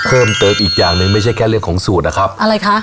เพิ่มเติมอีกอย่างหนึ่งไม่ใช่แค่เรื่องของสูตรนะครับอะไรคะ